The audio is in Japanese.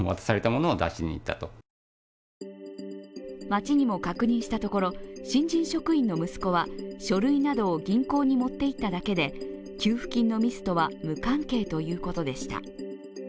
町にも確認したところ新人職員の息子は書類などを銀行に持っていっただけで給付金のミスとは無関係ということでした。